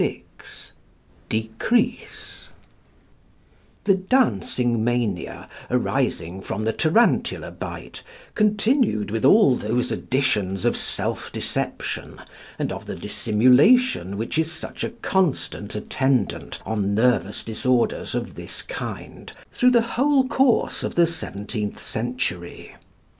SECT. 6 DECREASE The Dancing Mania, arising from the tarantula bite, continued with all those additions of self deception and of the dissimulation which is such a constant attendant on nervous disorders of this kind, through the whole course of the seventeenth century.